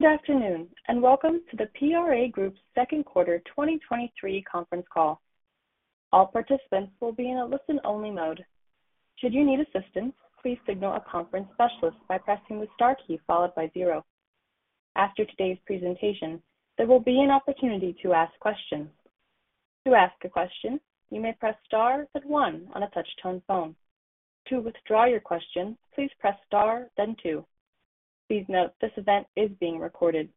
Good afternoon, and welcome to the PRA Group's 2nd quarter 2023 conference call. All participants will be in a listen-only mode. Should you need assistance, please signal a conference specialist by pressing the star key followed by zerpo. After today's presentation, there will be an opportunity to ask questions. To ask a question, you may press star then 1 on a touch-tone phone. To withdraw your question, please press star then two. Please note, this event is being recorded.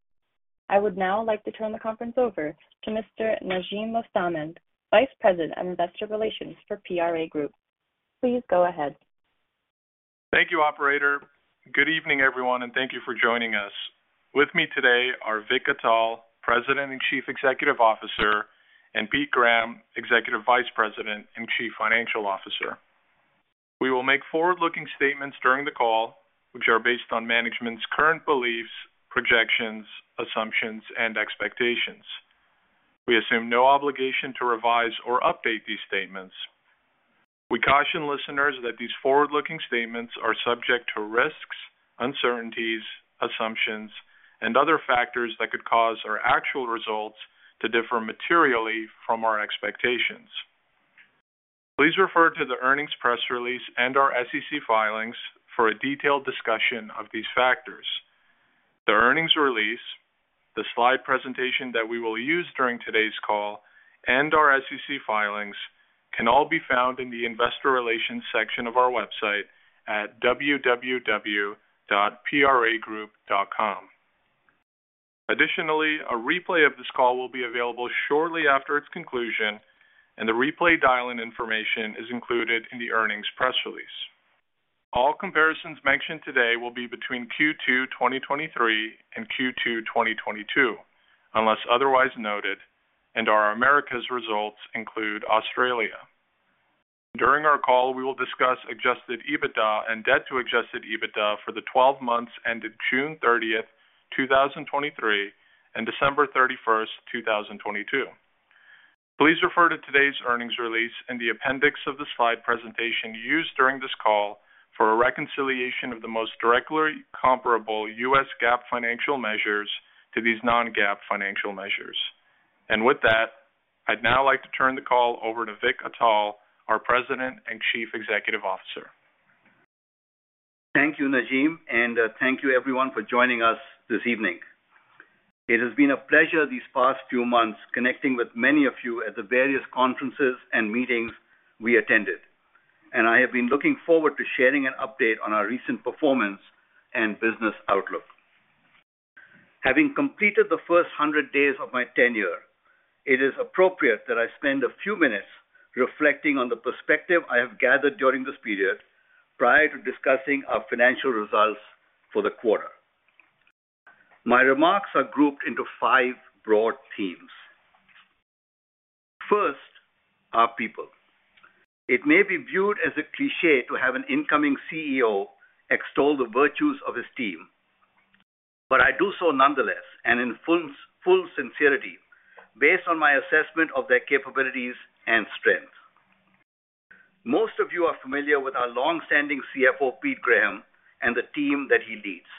I would now like to turn the conference over to Mr. Najim Mostamand, Vice President of Investor Relations for PRA Group. Please go ahead. Thank you, operator. Good evening, everyone, and thank you for joining us. With me today are Vikram Atal, President and Chief Executive Officer, and Pete Graham, Executive Vice President and Chief Financial Officer. We will make forward-looking statements during the call, which are based on management's current beliefs, projections, assumptions, and expectations. We assume no obligation to revise or update these statements. We caution listeners that these forward-looking statements are subject to risks, uncertainties, assumptions, and other factors that could cause our actual results to differ materially from our expectations. Please refer to the earnings press release and our SEC filings for a detailed discussion of these factors. The earnings release, the slide presentation that we will use during today's call, and our SEC filings can all be found in the investor relations section of our website at www.pragroup.com. Additionally, a replay of this call will be available shortly after its conclusion, and the replay dial-in information is included in the earnings press release. All comparisons mentioned today will be between Q2 2023 and Q2 2022, unless otherwise noted, and our Americas results include Australia. During our call, we will discuss Adjusted EBITDA and debt to Adjusted EBITDA for the 12 months ended June 30th, 2023, and December 31st, 2022. Please refer to today's earnings release and the appendix of the slide presentation used during this call for a reconciliation of the most directly comparable U.S. GAAP financial measures to these non-GAAP financial measures. With that, I'd now like to turn the call over to Vikram Atal, our President and Chief Executive Officer. Thank you, Najim. Thank you everyone for joining us this evening. It has been a pleasure these past few months, connecting with many of you at the various conferences and meetings we attended. I have been looking forward to sharing an update on our recent performance and business outlook. Having completed the first 100 days of my tenure, it is appropriate that I spend a few minutes reflecting on the perspective I have gathered during this period prior to discussing our financial results for the quarter. My remarks are grouped into five broad themes. First, our people. It may be viewed as a cliché to have an incoming CEO extol the virtues of his team. I do so nonetheless, in full, full sincerity, based on my assessment of their capabilities and strengths. Most of you are familiar with our long-standing CFO, Pete Graham, and the team that he leads.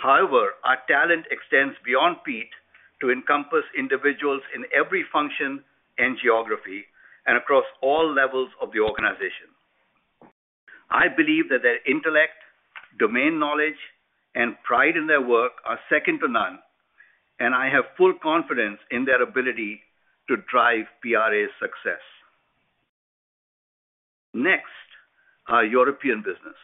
However, our talent extends beyond Pete to encompass individuals in every function and geography and across all levels of the organization. I believe that their intellect, domain knowledge, and pride in their work are second to none, and I have full confidence in their ability to drive PRA's success. Next, our European business.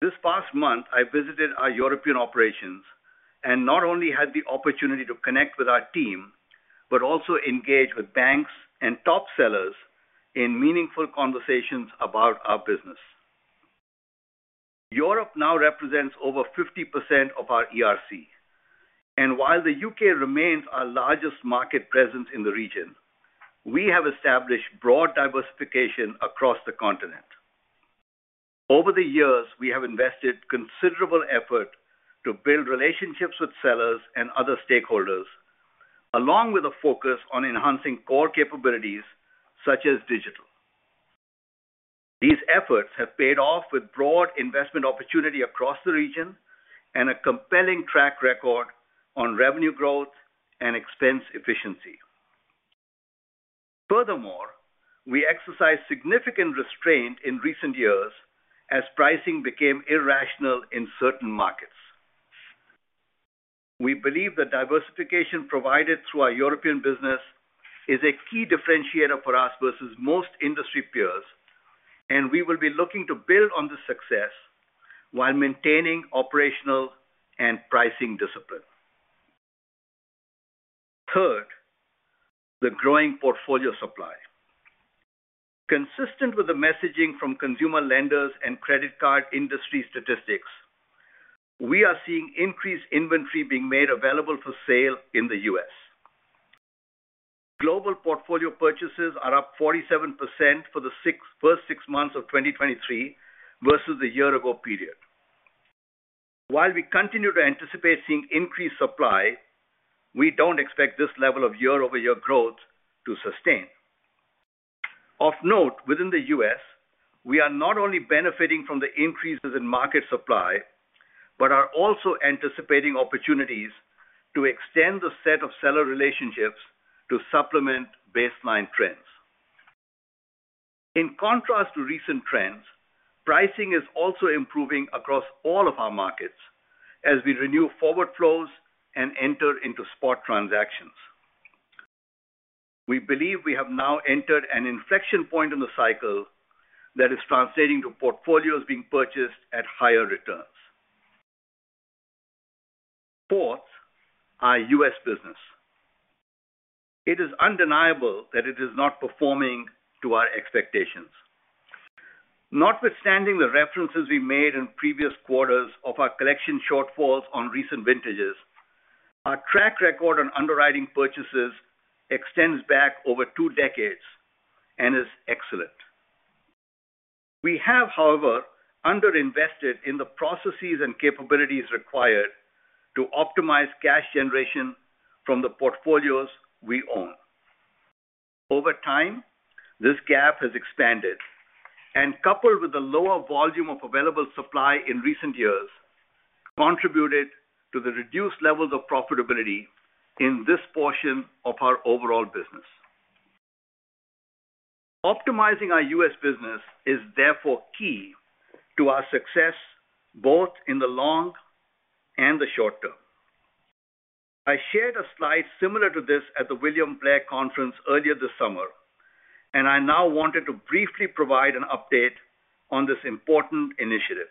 This past month, I visited our European operations and not only had the opportunity to connect with our team, but also engage with banks and top sellers in meaningful conversations about our business. Europe now represents over 50% of our ERC, and while the UK remains our largest market presence in the region, we have established broad diversification across the continent. Over the years, we have invested considerable effort to build relationships with sellers and other stakeholders, along with a focus on enhancing core capabilities such as digital. These efforts have paid off with broad investment opportunity across the region and a compelling track record on revenue growth and expense efficiency. Furthermore, we exercised significant restraint in recent years as pricing became irrational in certain markets. We believe the diversification provided through our European business is a key differentiator for us versus most industry peers, and we will be looking to build on this success while maintaining operational and pricing discipline. Third, the growing portfolio supply. Consistent with the messaging from consumer lenders and credit card industry statistics, we are seeing increased inventory being made available for sale in the US. Global portfolio purchases are up 47% for the first six months of 2023 versus the year-ago period. While we continue to anticipate seeing increased supply, we don't expect this level of year-over-year growth to sustain. Of note, within the U.S., we are not only benefiting from the increases in market supply, but are also anticipating opportunities to extend the set of seller relationships to supplement baseline trends. In contrast to recent trends, pricing is also improving across all of our markets as we renew forward flows and enter into spot transactions. We believe we have now entered an inflection point in the cycle that is translating to portfolios being purchased at higher returns. Fourth, our U.S. business. It is undeniable that it is not performing to our expectations. Notwithstanding the references we made in previous quarters of our collection shortfalls on recent vintages, our track record on underwriting purchases extends back over two decades and is excellent. We have, however, underinvested in the processes and capabilities required to optimize cash generation from the portfolios we own. Over time, this gap has expanded and, coupled with the lower volume of available supply in recent years, contributed to the reduced levels of profitability in this portion of our overall business. Optimizing our U.S. business is therefore key to our success, both in the long and the short term. I shared a slide similar to this at the William Blair conference earlier this summer. I now wanted to briefly provide an update on this important initiative.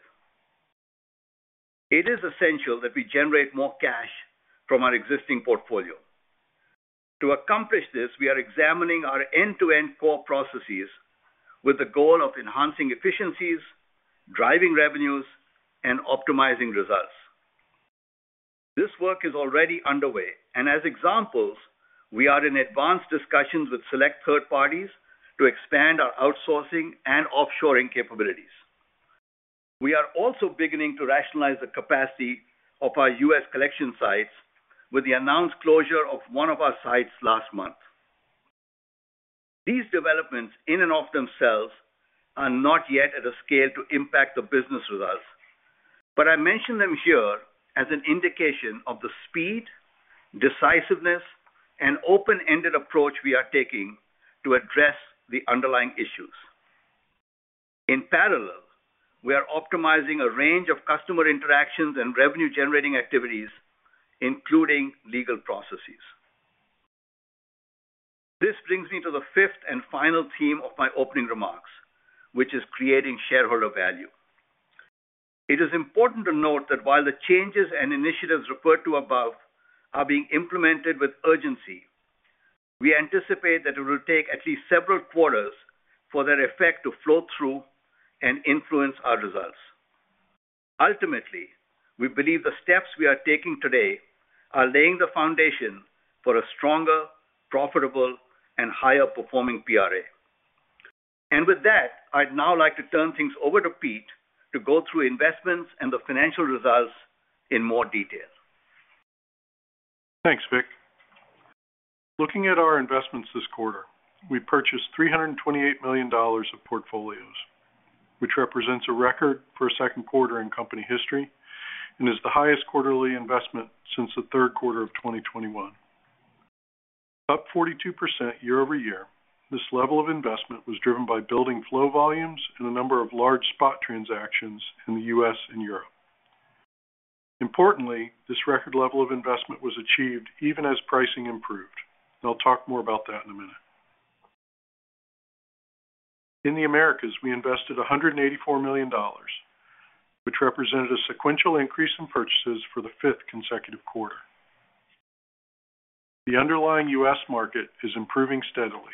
It is essential that we generate more cash from our existing portfolio. To accomplish this, we are examining our end-to-end core processes with the goal of enhancing efficiencies, driving revenues, and optimizing results. This work is already underway, and as examples, we are in advanced discussions with select third parties to expand our outsourcing and offshoring capabilities. We are also beginning to rationalize the capacity of our US collection sites with the announced closure of one of our sites last month. These developments, in and of themselves, are not yet at a scale to impact the business results, but I mention them here as an indication of the speed, decisiveness, and open-ended approach we are taking to address the underlying issues. In parallel, we are optimizing a range of customer interactions and revenue-generating activities, including legal processes. This brings me to the fifth and final theme of my opening remarks, which is creating shareholder value. It is important to note that while the changes and initiatives referred to above are being implemented with urgency, we anticipate that it will take at least several quarters for their effect to flow through and influence our results. Ultimately, we believe the steps we are taking today are laying the foundation for a stronger, profitable, and higher-performing PRA. With that, I'd now like to turn things over to Pete to go through investments and the financial results in more detail. Thanks, Vik. Looking at our investments this quarter, we purchased $328 million of portfolios, which represents a record for a second quarter in company history and is the highest quarterly investment since the third quarter of 2021. Up 42% year-over-year, this level of investment was driven by building flow volumes and a number of large spot transactions in the US and Europe. Importantly, this record level of investment was achieved even as pricing improved. I'll talk more about that in a minute. In the Americas, we invested $184 million, which represented a sequential increase in purchases for the fifth consecutive quarter. The underlying US market is improving steadily.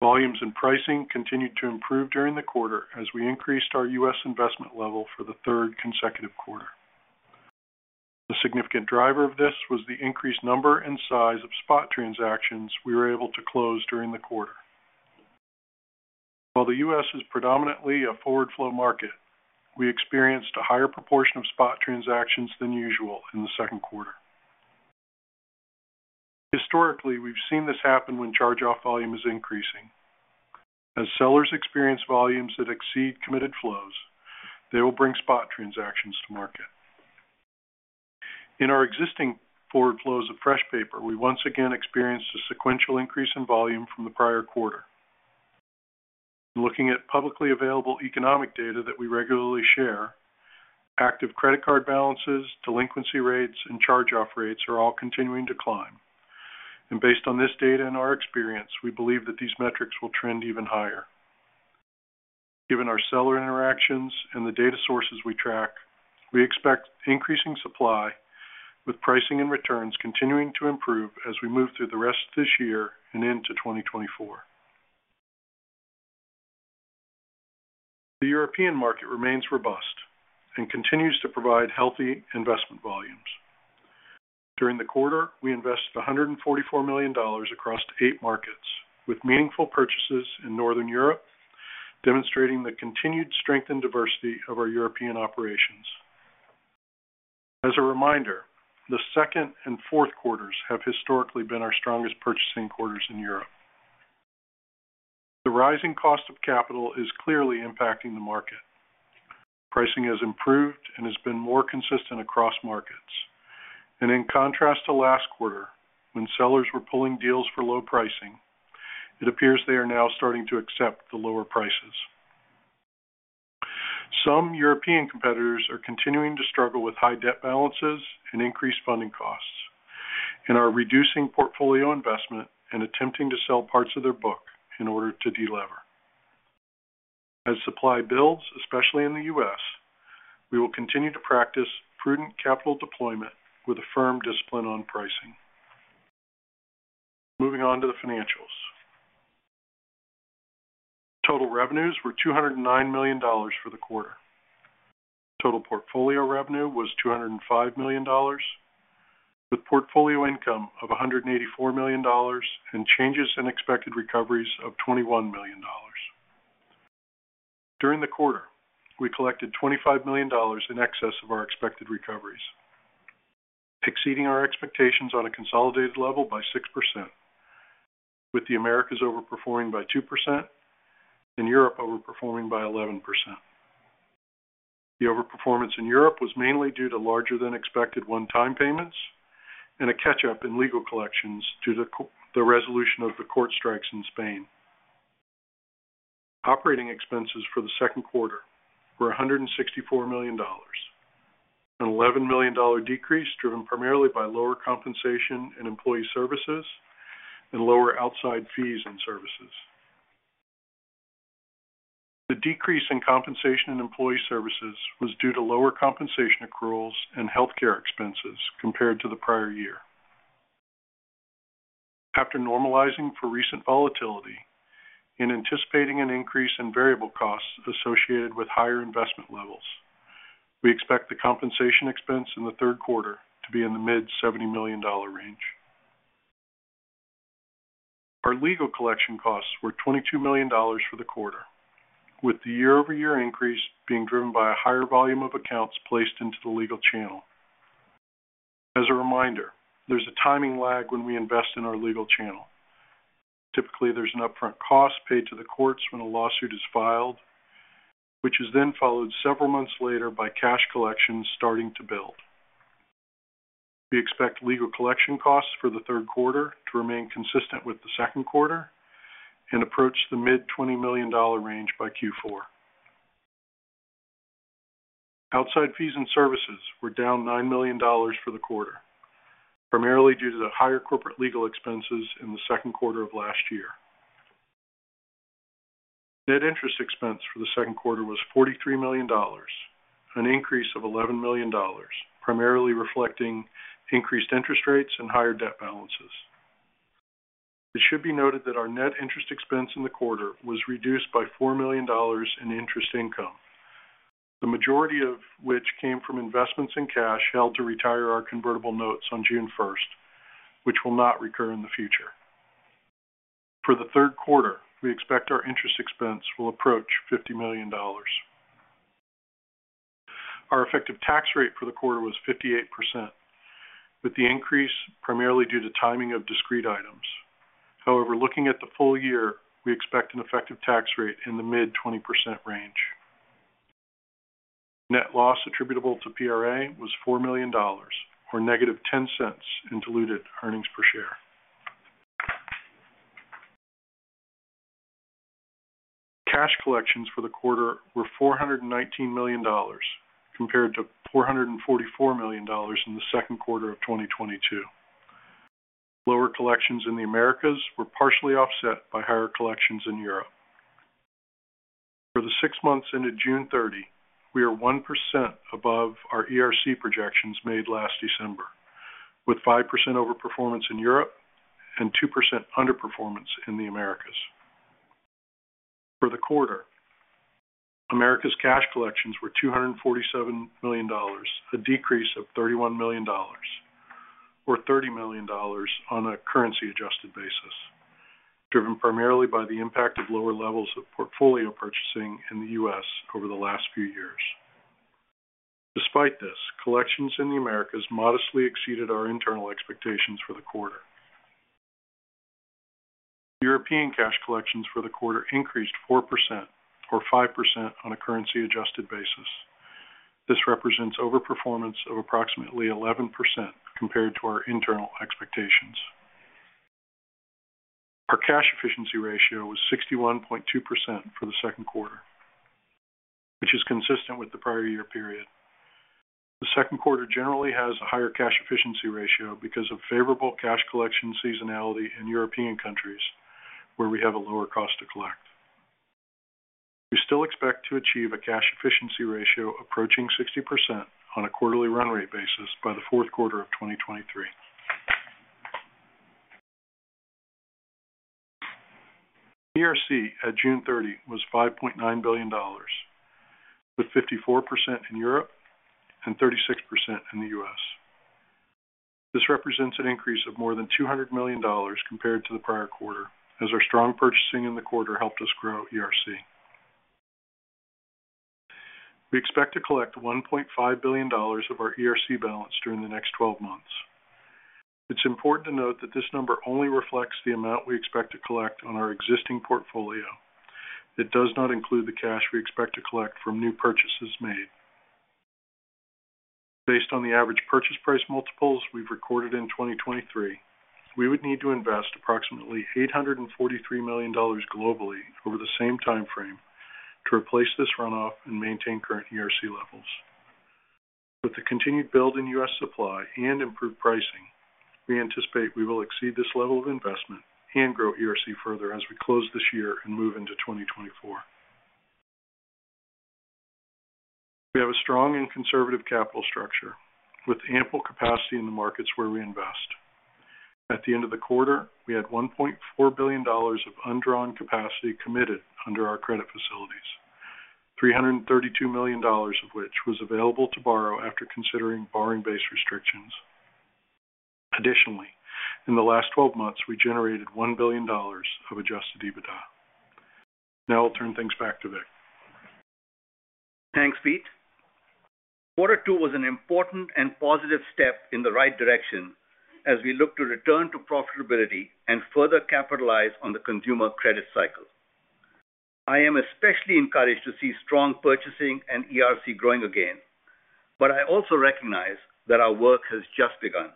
Volumes and pricing continued to improve during the quarter as we increased our US investment level for the third consecutive quarter. The significant driver of this was the increased number and size of spot transactions we were able to close during the quarter. While the US is predominantly a forward flow market, we experienced a higher proportion of spot transactions than usual in the second quarter. Historically, we've seen this happen when charge-off volume is increasing. As sellers experience volumes that exceed committed flows, they will bring spot transactions to market. In our existing forward flows of fresh paper, we once again experienced a sequential increase in volume from the prior quarter. Looking at publicly available economic data that we regularly share, active credit card balances, delinquency rates, and charge-off rates are all continuing to climb. Based on this data and our experience, we believe that these metrics will trend even higher. Given our seller interactions and the data sources we track, we expect increasing supply, with pricing and returns continuing to improve as we move through the rest of this year and into 2024. The European market remains robust and continues to provide healthy investment volumes. During the quarter, we invested $144 million across eight markets, with meaningful purchases in Northern Europe, demonstrating the continued strength and diversity of our European operations. As a reminder, the 2nd and 4th quarters have historically been our strongest purchasing quarters in Europe. The rising cost of capital is clearly impacting the market. Pricing has improved and has been more consistent across markets. In contrast to last quarter, when sellers were pulling deals for low pricing, it appears they are now starting to accept the lower prices. Some European competitors are continuing to struggle with high debt balances and increased funding costs, and are reducing portfolio investment and attempting to sell parts of their book in order to delever. As supply builds, especially in the U.S., we will continue to practice prudent capital deployment with a firm discipline on pricing. Moving on to the financials. Total revenues were $209 million for the quarter. Total portfolio revenue was $205 million, with portfolio income of $184 million and changes in expected recoveries of $21 million. During the quarter, we collected $25 million in excess of our expected recoveries, exceeding our expectations on a consolidated level by 6%, with the Americas overperforming by 2% and Europe overperforming by 11%. The overperformance in Europe was mainly due to larger than expected one-time payments and a catch-up in legal collections due to the resolution of the court strikes in Spain. Operating expenses for the second quarter were $164 million, an $11 million decrease, driven primarily by lower compensation and employee services and lower outside fees and services. The decrease in compensation and employee services was due to lower compensation accruals and healthcare expenses compared to the prior year. After normalizing for recent volatility and anticipating an increase in variable costs associated with higher investment levels, we expect the compensation expense in the third quarter to be in the mid $70 million range. Our legal collection costs were $22 million for the quarter, with the year-over-year increase being driven by a higher volume of accounts placed into the legal channel. As a reminder, there's a timing lag when we invest in our legal channel. Typically, there's an upfront cost paid to the courts when a lawsuit is filed, which is then followed several months later by cash collections starting to build. We expect legal collection costs for the third quarter to remain consistent with the second quarter and approach the mid $20 million range by Q4. Outside fees and services were down $9 million for the quarter, primarily due to the higher corporate legal expenses in the second quarter of last year. Net interest expense for the second quarter was $43 million, an increase of $11 million, primarily reflecting increased interest rates and higher debt balances. It should be noted that our net interest expense in the quarter was reduced by $4 million in interest income, the majority of which came from investments in cash held to retire our convertible notes on June 1st, which will not recur in the future. For the third quarter, we expect our interest expense will approach $50 million. Our effective tax rate for the quarter was 58%, with the increase primarily due to timing of discrete items. However, looking at the full year, we expect an effective tax rate in the mid-20% range. Net loss attributable to PRA was $4 million, or -$0.10 in diluted earnings per share. Cash collections for the quarter were $419 million, compared to $444 million in the second quarter of 2022. Lower collections in the Americas were partially offset by higher collections in Europe. For the six months ended June 30, we are 1% above our ERC projections made last December, with 5% overperformance in Europe and 2% underperformance in the Americas. For the quarter, America's cash collections were $247 million, a decrease of $31 million, or $30 million on a currency-adjusted basis, driven primarily by the impact of lower levels of portfolio purchasing in the U.S. over the last few years. Despite this, collections in the Americas modestly exceeded our internal expectations for the quarter. European cash collections for the quarter increased 4% or 5% on a currency-adjusted basis. This represents overperformance of approximately 11% compared to our internal expectations. Our cash efficiency ratio was 61.2% for the second quarter, which is consistent with the prior year period. The second quarter generally has a higher cash efficiency ratio because of favorable cash collection seasonality in European countries, where we have a lower cost to collect. We still expect to achieve a cash efficiency ratio approaching 60% on a quarterly run rate basis by the fourth quarter of 2023. ERC at June 30 was $5.9 billion, with 54% in Europe and 36% in the US. This represents an increase of more than $200 million compared to the prior quarter, as our strong purchasing in the quarter helped us grow ERC. We expect to collect $1.5 billion of our ERC balance during the next 12 months. It's important to note that this number only reflects the amount we expect to collect on our existing portfolio. It does not include the cash we expect to collect from new purchases made. Based on the average purchase price multiples we've recorded in 2023, we would need to invest approximately $843 million globally over the same time frame to replace this runoff and maintain current ERC levels. With the continued build in US supply and improved pricing, we anticipate we will exceed this level of investment and grow ERC further as we close this year and move into 2024. We have a strong and conservative capital structure with ample capacity in the markets where we invest. At the end of the quarter, we had $1.4 billion of undrawn capacity committed under our credit facilities, $332 million of which was available to borrow after considering borrowing base restrictions. Additionally, in the last 12 months, we generated $1 billion of Adjusted EBITDA. I'll turn things back to Vik. Thanks, Pete. Quarter two was an important and positive step in the right direction as we look to return to profitability and further capitalize on the consumer credit cycle. I am especially encouraged to see strong purchasing and ERC growing again, I also recognize that our work has just begun.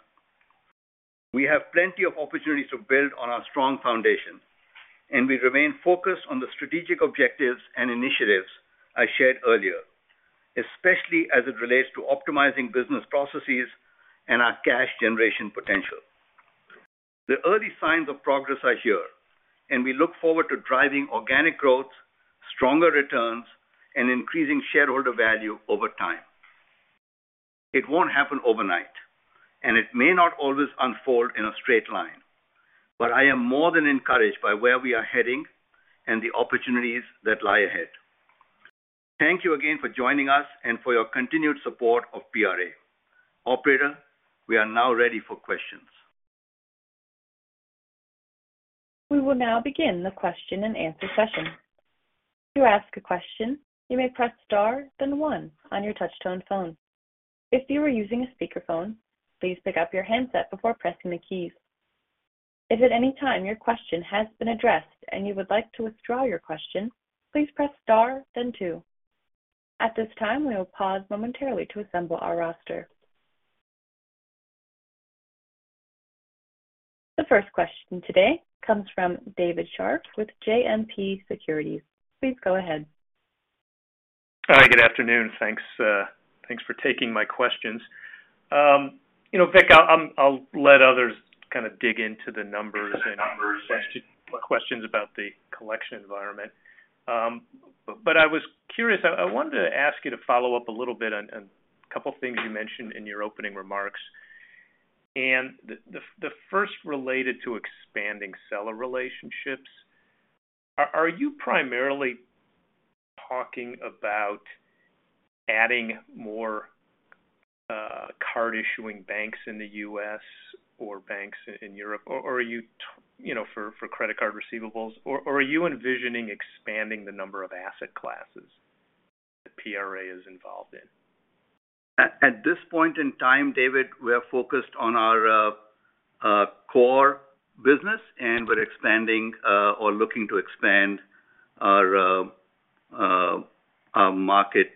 We have plenty of opportunities to build on our strong foundation, and we remain focused on the strategic objectives and initiatives I shared earlier, especially as it relates to optimizing business processes and our cash generation potential. The early signs of progress are here, and we look forward to driving organic growth, stronger returns, and increasing shareholder value over time. It won't happen overnight, and it may not always unfold in a straight line, I am more than encouraged by where we are heading and the opportunities that lie ahead. Thank you again for joining us and for your continued support of PRA. Operator, we are now ready for questions. We will now begin the question-and-answer session. To ask a question, you may press star, then one on your touch-tone phone. If you are using a speakerphone, please pick up your handset before pressing the keys. If at any time your question has been addressed and you would like to withdraw your question, please press star then two. At this time, we will pause momentarily to assemble our roster. The first question today comes from David Scharf with JMP Securities. Please go ahead. Hi, good afternoon. Thanks, thanks for taking my questions. You know, Vik, I'll, I'll let others kind of dig into the numbers and questions about the collection environment. I was curious. I wanted to ask you to follow up a little bit on, on a couple of things you mentioned in your opening remarks. The first related to expanding seller relationships. Are you primarily talking about adding more card-issuing banks in the US or banks in Europe, or are you, you know, for credit card receivables, or are you envisioning expanding the number of asset classes that PRA is involved in? At this point in time, David, we are focused on our core business, and we're expanding, or looking to expand our market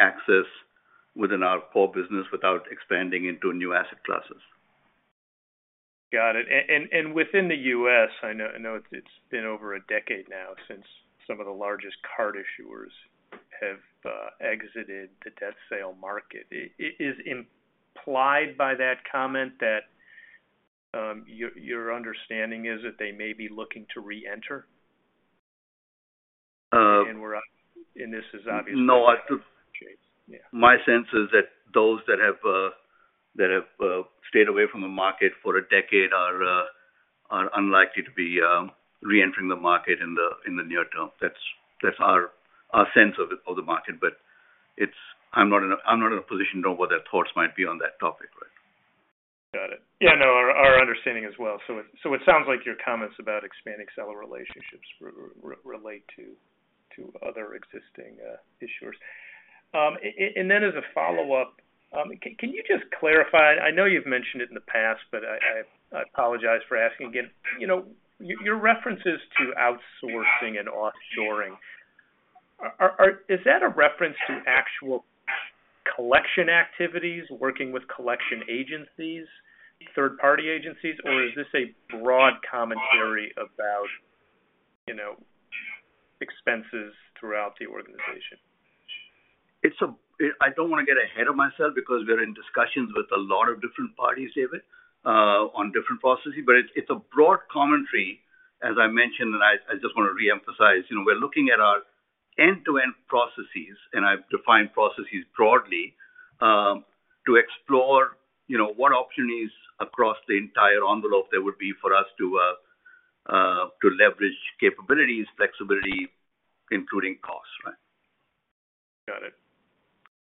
access within our core business without expanding into new asset classes. Got it. Within the U.S., I know it's been over a decade now since some of the largest card issuers have exited the debt sale market. Is it implied by that comment that your understanding is that they may be looking to reenter? Uh- we're, and this is obviously- No. My sense is that those that have that have stayed away from the market for a decade are unlikely to be reentering the market in the near term. That's, that's our, our sense of the, the market, but I'm not in a position to know what their thoughts might be on that topic, right? Got it. Yeah, no, our, our understanding as well. It sounds like your comments about expanding seller relationships relate to other existing issuers. Then as a follow-up, can you just clarify? I know you've mentioned it in the past, but I, I, I apologize for asking again. You know, your, your references to outsourcing and offshoring, is that a reference to actual collection activities, working with collection agencies, third-party agencies, or is this a broad commentary about, you know, expenses throughout the organization? It's I don't want to get ahead of myself because we're in discussions with a lot of different parties, David, on different processes, but it's, it's a broad commentary, as I mentioned, and I, I just want to reemphasize. You know, we're looking at our end-to-end processes, and I define processes broadly, to explore, you know, what opportunities across the entire envelope there would be for us to leverage capabilities, flexibility, including cost.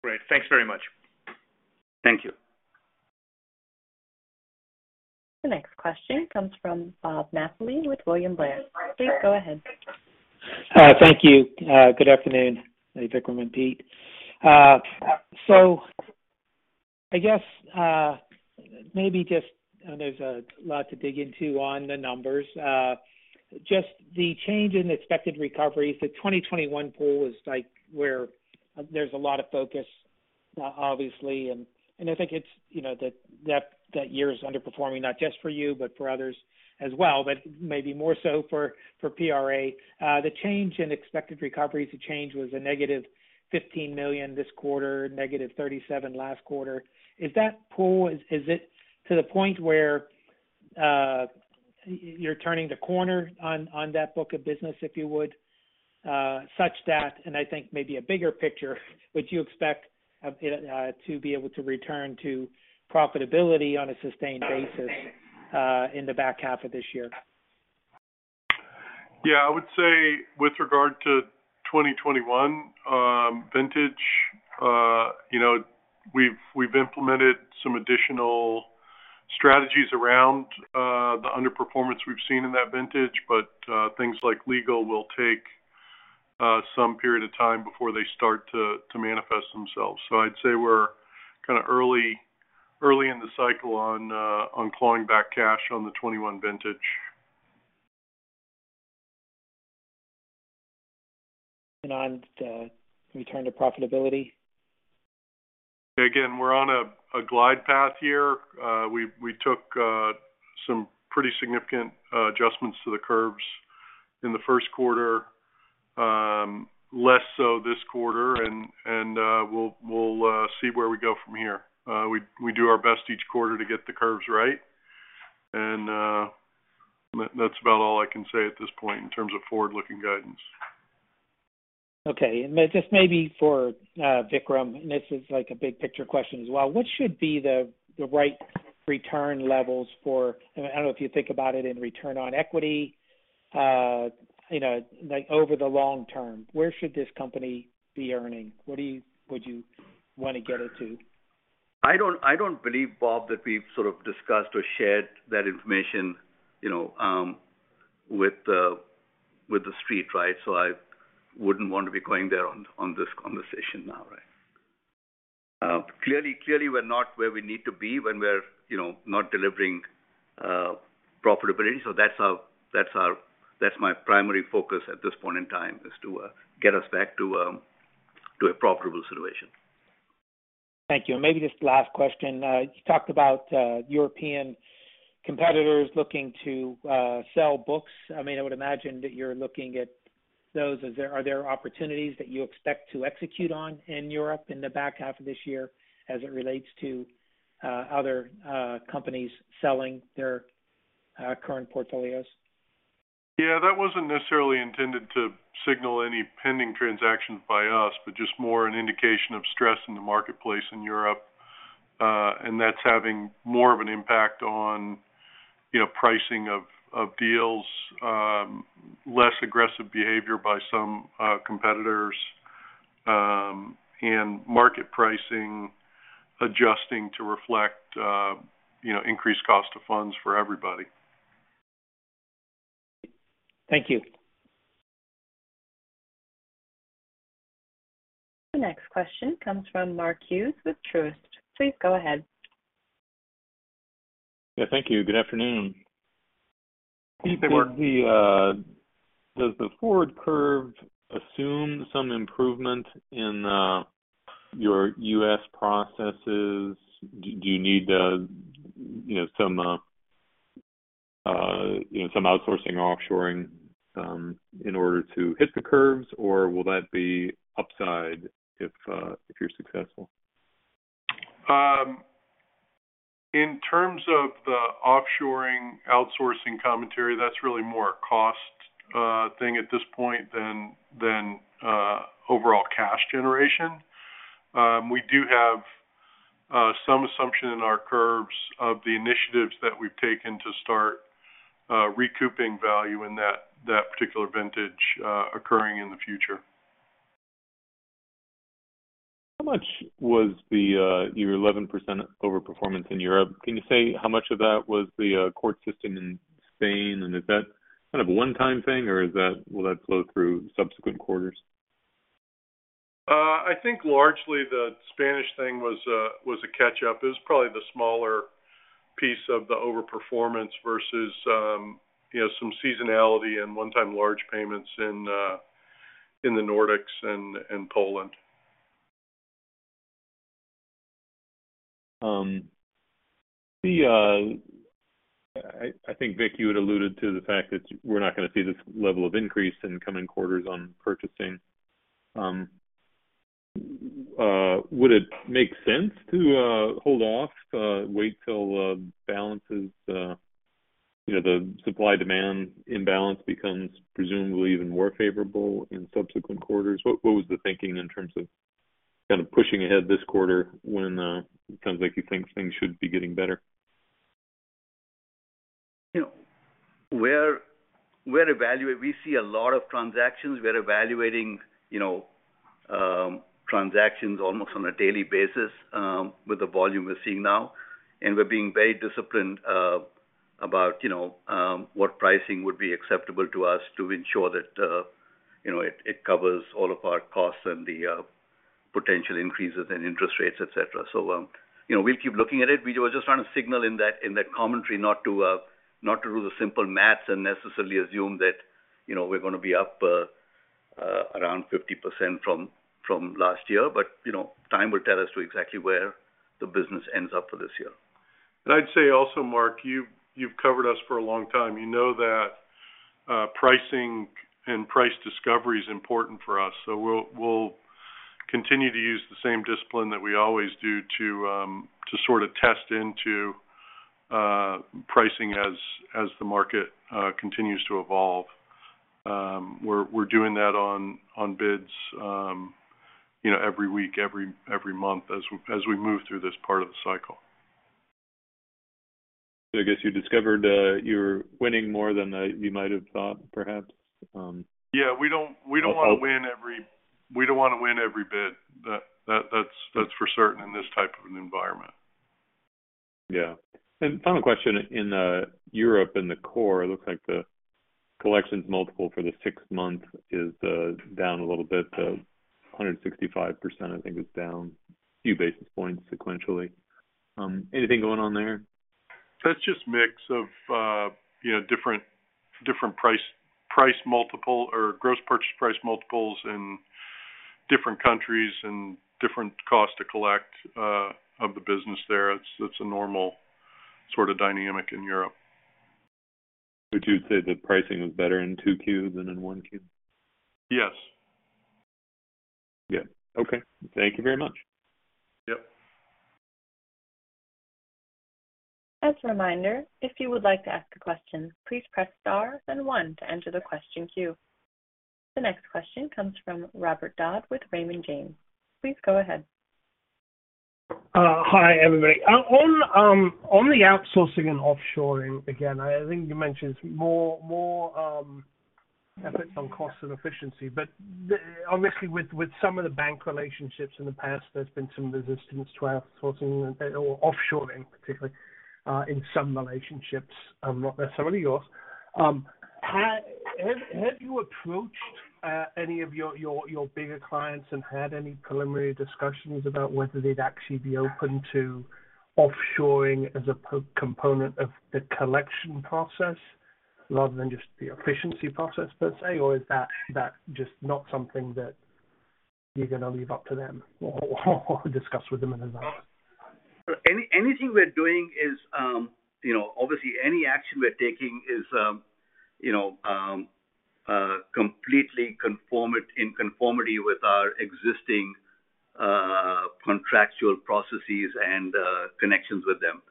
Great. Thanks very much. Thank you. The next question comes from Bob Matheney with William Blair. Please go ahead. Thank you. Good afternoon, Vikram and Pete. I guess, maybe just... I know there's a lot to dig into on the numbers. Just the change in expected recovery, the 2021 pool is like, where there's a lot of focus, obviously, and, and I think it's, you know, that, that, that year is underperforming, not just for you, but for others as well, but maybe more so for, for PRA. The change in expected recoveries, the change was a -$15 million this quarter, -$37 million last quarter. Is that pool, is, is it to the point where, you're turning the corner on, on that book of business, if you would? such that, and I think maybe a bigger picture, would you expect to be able to return to profitability on a sustained basis, in the back half of this year? Yeah, I would say with regard to 2021, vintage, you know, we've, we've implemented some additional strategies around the underperformance we've seen in that vintage, but things like legal will take some period of time before they start to, to manifest themselves. I'd say we're kind of early, early in the cycle on clawing back cash on the 21 vintage. On the return to profitability? Again, we're on a, a glide path here. We, we took some pretty significant adjustments to the curves in the first quarter, less so this quarter, and we'll, we'll see where we go from here. We, we do our best each quarter to get the curves right. That's about all I can say at this point in terms of forward-looking guidance. Okay. This may be for Vikram, and this is like a big picture question as well: What should be the, the right return levels for... I don't know if you think about it in return on equity, you know, like, over the long term, where should this company be earning? What do you-- would you want to get it to? I don't, I don't believe, Bob, that we've sort of discussed or shared that information, you know, with the, with the street, right? I wouldn't want to be going there on, on this conversation now, right. Clearly, clearly, we're not where we need to be when we're, you know, not delivering profitability. That's my primary focus at this point in time, is to get us back to a profitable situation. Thank you. Maybe just last question. You talked about European competitors looking to sell books. I mean, I would imagine that you're looking at those. Are there opportunities that you expect to execute on in Europe in the back half of this year as it relates to other companies selling their current portfolios? Yeah, that wasn't necessarily intended to signal any pending transactions by us, but just more an indication of stress in the marketplace in Europe. That's having more of an impact on, you know, pricing of, of deals, less aggressive behavior by some competitors, and market pricing, adjusting to reflect, you know, increased cost of funds for everybody. Thank you. The next question comes from Mark Hughes with Truist. Please go ahead. Yeah, thank you. Good afternoon. Good morning. Pete, does the, does the forward curve assume some improvement in your US processes? Do, do you need, you know, some, you know, some outsourcing or offshoring in order to hit the curves, or will that be upside if, if you're successful? In terms of the offshoring, outsourcing commentary, that's really more a cost thing at this point than overall cash generation. We do have some assumption in our curves of the initiatives that we've taken to start recouping value in that, that particular vintage, occurring in the future. How much was the, your 11% overperformance in Europe? Can you say how much of that was the court system in Spain? Is that kind of a one-time thing, or will that flow through subsequent quarters? I think largely the Spanish thing was a, was a catch up. It was probably the smaller piece of the overperformance versus, you know, some seasonality and one-time large payments in, in the Nordics and, and Poland. I, I think, Vik, you had alluded to the fact that we're not going to see this level of increase in coming quarters on purchasing. Would it make sense to hold off, wait till balances, you know, the supply-demand imbalance becomes presumably even more favorable in subsequent quarters? What was the thinking in terms of kind of pushing ahead this quarter when it sounds like you think things should be getting better?... You know, we're We see a lot of transactions. We're evaluating, you know, transactions almost on a daily basis, with the volume we're seeing now. We're being very disciplined about, you know, what pricing would be acceptable to us to ensure that, you know, it, it covers all of our costs and the potential increases in interest rates, et cetera. You know, we'll keep looking at it. We were just trying to signal in that, in that commentary, not to not to do the simple math and necessarily assume that, you know, we're gonna be up around 50% from, from last year. You know, time will tell us to exactly where the business ends up for this year. I'd say also, Mark, you've, you've covered us for a long time. You know that pricing and price discovery is important for us. We'll, we'll continue to use the same discipline that we always do to sort of test into pricing as the market continues to evolve. We're, we're doing that on, on bids, you know, every week, every, every month as, as we move through this part of the cycle. I guess you discovered, you're winning more than, you might have thought, perhaps? Yeah, we don't, we don't want to win. We don't want to win every bid. That, that, that's, that's for certain in this type of an environment. Yeah. Final question. In Europe, in the core, it looks like the collections multiple for the sixth month is down a little bit, 165%, I think, is down a few basis points sequentially. Anything going on there? That's just mix of, you know, different, different price, price multiple or gross purchase price multiples in different countries and different costs to collect of the business there. It's, it's a normal sort of dynamic in Europe. Would you say the pricing is better in 2Q than in 1Q? Yes. Yeah. Okay. Thank you very much. Yep. As a reminder, if you would like to ask a question, please press Star and One to enter the question queue. The next question comes from Robert Dodd with Raymond James. Please go ahead. Hi, everybody. On, on the outsourcing and offshoring, again, I think you mentioned more, more efforts on cost and efficiency. Honestly, with, with some of the bank relationships in the past, there's been some resistance to outsourcing or offshoring, particularly in some relationships, not necessarily yours. Have, have you approached any of your, your, your bigger clients and had any preliminary discussions about whether they'd actually be open to offshoring as a component of the collection process rather than just the efficiency process, per se? Or is that, that just not something that you're going to leave up to them or discuss with them in advance? Any, anything we're doing is, you know, obviously any action we're taking is, you know, in conformity with our existing, contractual processes and connections with them.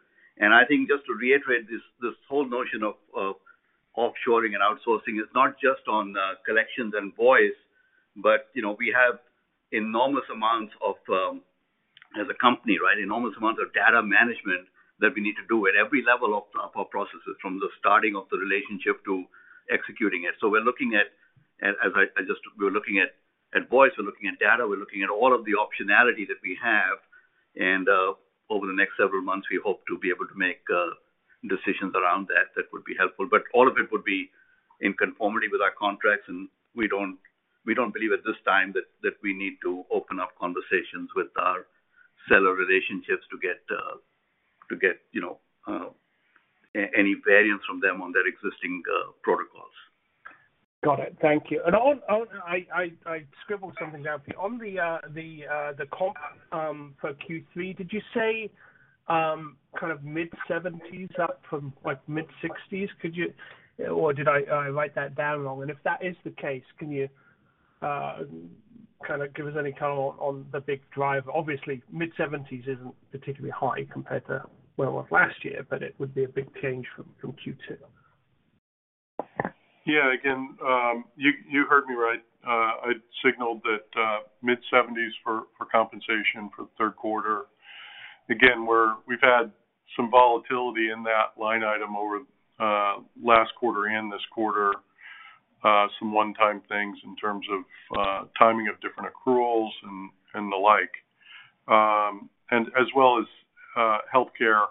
I think just to reiterate, this, this whole notion of, of offshoring and outsourcing is not just on collections and voice, but, you know, we have enormous amounts of, as a company, right, enormous amounts of data management that we need to do at every level of our processes, from the starting of the relationship to executing it. We're looking at, as I, We're looking at voice, we're looking at data, we're looking at all of the optionality that we have. Over the next several months, we hope to be able to make decisions around that. That would be helpful. All of it would be in conformity with our contracts, and we don't, we don't believe at this time that, that we need to open up conversations with our seller relationships to get, to get, you know, any variance from them on their existing, protocols. Got it. Thank you. On, on... I, I, I scribbled something down. On the, the comp for Q3, did you say kind of mid-70s, up from, like, mid-60s? Could you? Or did I, I write that down wrong? If that is the case, can you kind of give us any color on, on the big driver? Obviously, mid-70s isn't particularly high compared to, well, of last year, but it would be a big change from, from Q2. Yeah. Again, you, you heard me right. I signaled that mid-70s for, for compensation for the third quarter. Again, we're we've had some volatility in that line item over last quarter and this quarter, some one-time things in terms of timing of different accruals and, and the like. As well as healthcare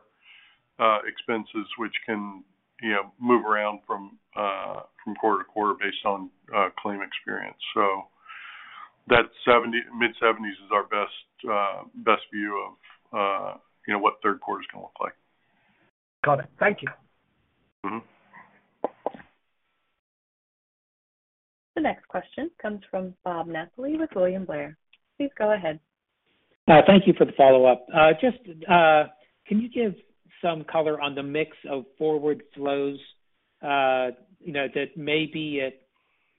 expenses, which can, you know, move around from from quarter to quarter based on claim experience. So that mid-70s is our best best view of, you know, what third quarter is going to look like. Got it. Thank you. Mm-hmm. The next question comes from Bob Matheney with William Blair. Please go ahead. Thank you for the follow-up. Just, can you give some color on the mix of forward flows, you know, that may be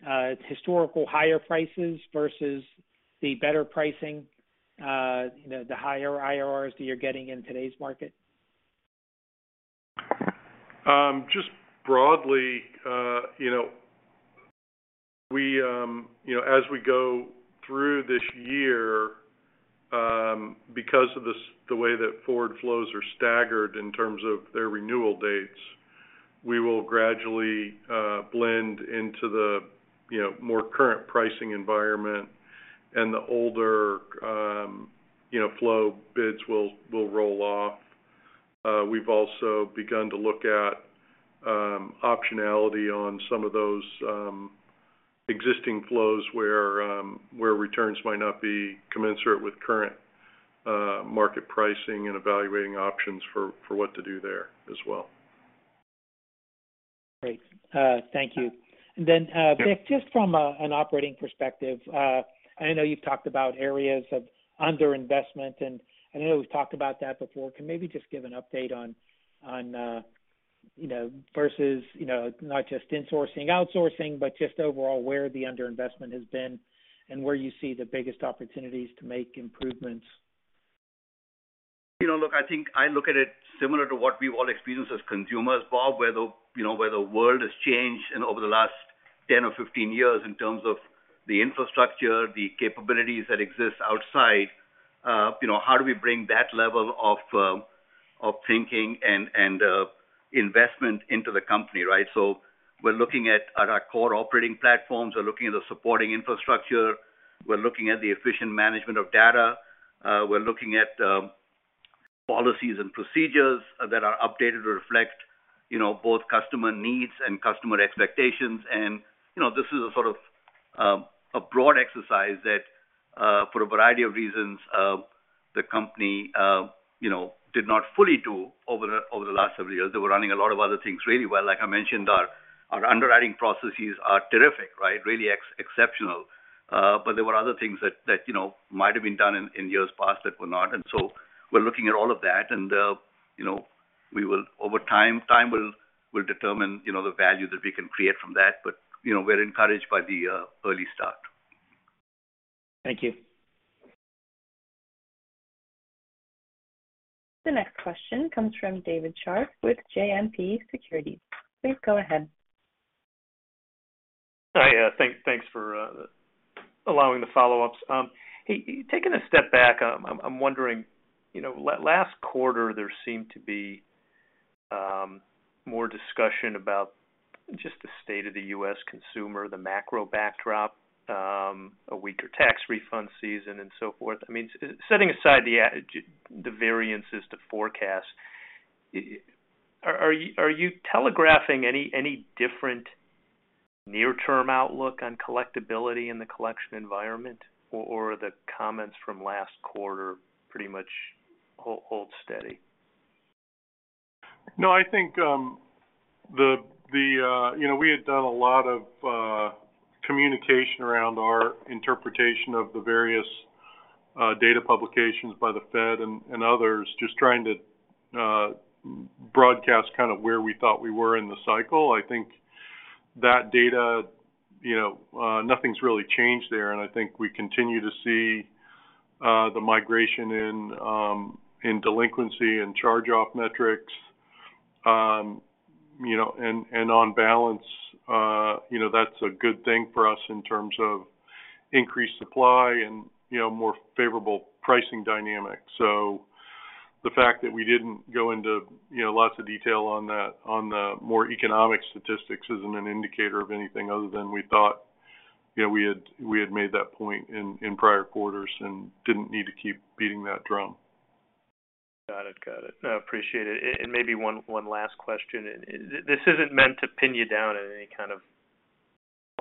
at historical higher prices versus the better pricing, you know, the higher IRRs that you're getting in today's market? Just broadly, you know, We, you know, as we go through this year, because of this the way that forward flows are staggered in terms of their renewal dates, we will gradually blend into the, you know, more current pricing environment and the older, you know, flow bids will roll off. We've also begun to look at optionality on some of those existing flows where returns might not be commensurate with current market pricing and evaluating options for what to do there as well. Great. Thank you. Vik, just from an operating perspective, I know you've talked about areas of underinvestment, and I know we've talked about that before. Can maybe just give an update on, on, you know, versus, you know, not just insourcing, outsourcing, but just overall, where the underinvestment has been and where you see the biggest opportunities to make improvements? You know, look, I think I look at it similar to what we've all experienced as consumers, Bob, where the, you know, where the world has changed and over the last 10 or 15 years in terms of the infrastructure, the capabilities that exist outside. You know, how do we bring that level of thinking and, and investment into the company, right? So we're looking at, at our core operating platforms. We're looking at the supporting infrastructure. We're looking at the efficient management of data. We're looking at policies and procedures that are updated to reflect, you know, both customer needs and customer expectations. You know, this is a sort of, a broad exercise that, for a variety of reasons, the company, you know, did not fully do over the, over the last several years. They were running a lot of other things really well. Like I mentioned, our, our underwriting processes are terrific, right? Really ex-exceptional. There were other things that, that, you know, might have been done in, in years past that were not. So we're looking at all of that, and, you know, we will-- over time, time will, will determine, you know, the value that we can create from that. You know, we're encouraged by the early start. Thank you. The next question comes from David Scharf with JMP Securities. Please go ahead. Hi, thank, thanks for allowing the follow-ups. Hey, taking a step back, I'm, I'm wondering, you know, last quarter, there seemed to be more discussion about just the state of the U.S. consumer, the macro backdrop, a weaker tax refund season and so forth. I mean, setting aside the variances to forecast, are you, are you telegraphing any, any different near-term outlook on collectibility in the collection environment, or the comments from last quarter pretty much hold steady? No, I think, you know, we had done a lot of communication around our interpretation of the various data publications by the Fed and others, just trying to broadcast kind of where we thought we were in the cycle. I think that data, you know, nothing's really changed there, and I think we continue to see the migration in delinquency and charge-off metrics. You know, and on balance, you know, that's a good thing for us in terms of increased supply and, you know, more favorable pricing dynamics. The fact that we didn't go into, you know, lots of detail on that, on the more economic statistics isn't an indicator of anything other than we thought, you know, we had, we had made that point in, in prior quarters and didn't need to keep beating that drum. Got it. Got it. I appreciate it. Maybe one, one last question. This isn't meant to pin you down in any kind of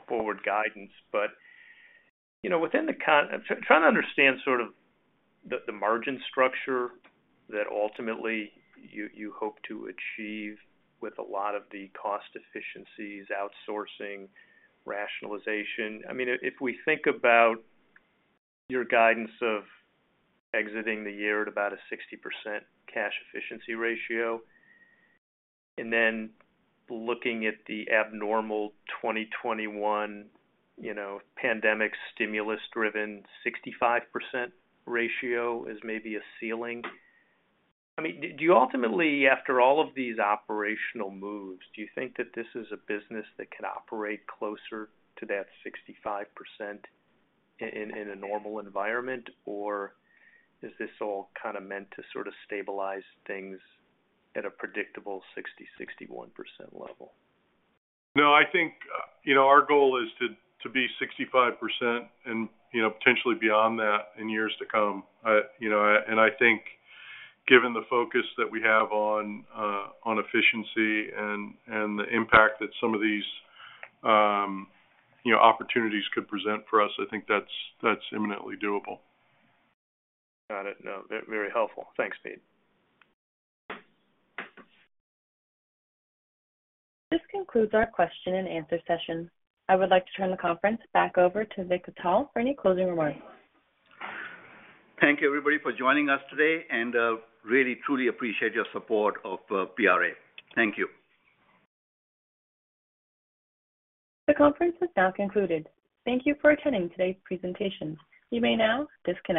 forward guidance, but, you know, within the I'm trying to understand sort of the margin structure that ultimately you, you hope to achieve with a lot of the cost efficiencies, outsourcing, rationalization. I mean, if we think about your guidance of exiting the year at about a 60% cash efficiency ratio, and then looking at the abnormal 2021, you know, pandemic stimulus-driven 65% ratio as maybe a ceiling. I mean, do you ultimately, after all of these operational moves, do you think that this is a business that can operate closer to that 65% in a normal environment? Or is this all kind of meant to sort of stabilize things at a predictable 60%-61% level? No, I think, you know, our goal is to, to be 65% and, you know, potentially beyond that in years to come. You know, I think given the focus that we have on, on efficiency and, and the impact that some of these, you know, opportunities could present for us, I think that's, that's imminently doable. Got it. Very helpful. Thanks, Pete. This concludes our question and answer session. I would like to turn the conference back over to Vikram Atal for any closing remarks. Thank you, everybody, for joining us today. Really, truly appreciate your support of PRA. Thank you. The conference is now concluded. Thank you for attending today's presentation. You may now disconnect.